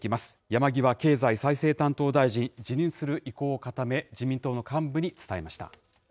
山際経済再生担当大臣、辞任する意向を固め、自民党の幹部に伝えました。